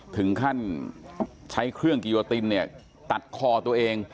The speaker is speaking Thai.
ถึงขั้นใช้เครื่องกิโยตินเนี่ยตัดคอตัวเอง